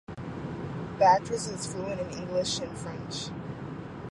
The actress is fluent in English and French.